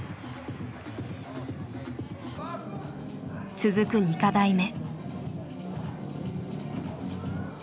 続く２課題目。